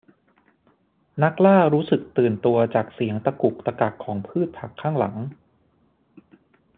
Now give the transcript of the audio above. นักล่ารู้สึกตื่นตัวจากเสียงตะกุกตะกักของพืชผักข้างหลัง